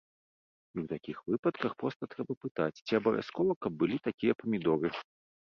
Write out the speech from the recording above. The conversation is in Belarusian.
І ў такіх выпадках проста трэба пытаць, ці абавязкова, каб былі такія памідоры.